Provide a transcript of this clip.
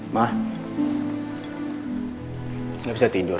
ma gak bisa tidur